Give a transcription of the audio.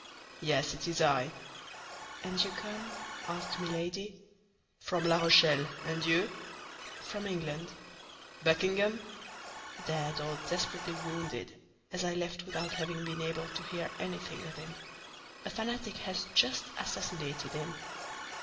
"Yes, it is I." "And you come?" asked Milady. "From La Rochelle; and you?" "From England." "Buckingham?" "Dead or desperately wounded, as I left without having been able to hear anything of him. A fanatic has just assassinated him."